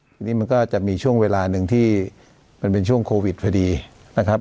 ทีนี้มันก็จะมีช่วงเวลาหนึ่งที่มันเป็นช่วงโควิดพอดีนะครับ